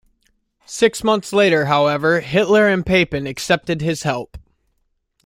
Six months later, however, Hitler and Papen accepted his help.